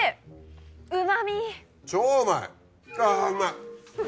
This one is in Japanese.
あぁうまい！